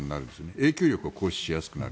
影響力を行使しやすくなる。